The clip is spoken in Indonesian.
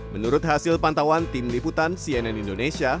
menurut hasil pantauan tim liputan cnn indonesia